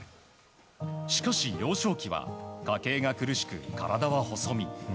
しかし、幼少期は家計が苦しく、体は細身。